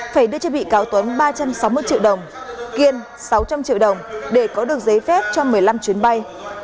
phải đưa cho bị cáo tuấn ba trăm sáu mươi triệu đồng kiên sáu trăm linh triệu đồng để có được giấy phép cho một mươi năm chuyến bay